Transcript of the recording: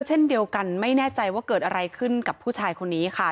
เช่นเดียวกันไม่แน่ใจว่าเกิดอะไรขึ้นกับผู้ชายคนนี้ค่ะ